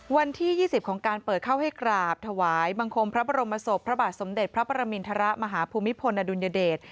วันที่๒๐ของการเปิดเข้าให้กราบถวายบังคมพระบรมศพพระบาทสมเด็จพระประมินทรมาฮภูมิพลอดุลยเดช